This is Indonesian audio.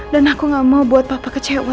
dan aku gak mau buat papa kecewa